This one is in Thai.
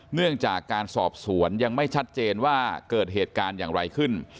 เนื่องจากการสอบสวนยังไม่ชัดเจนว่าเกิดเหตุการณ์อย่างไรขึ้น